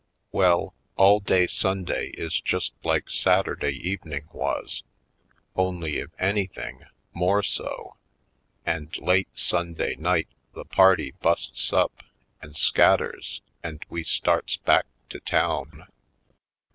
Well, all day Sunday is just like Saturday evening was, only if anything, more so ; and late Sunday night the party busts up and scatters and we starts back to town.